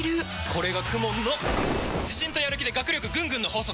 これがＫＵＭＯＮの自信とやる気で学力ぐんぐんの法則！